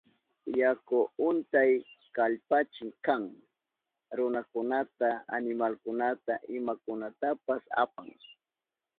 Yaku untayka kallpachik kan, runakunata, animalkunata, imakunatapas apan.